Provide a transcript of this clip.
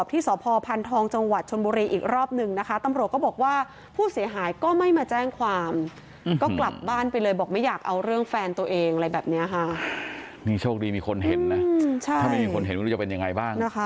ทีมข่าวก็ไปตรวจสอบ